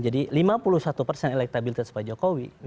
jadi lima puluh satu persen elektabilitas pak jokowi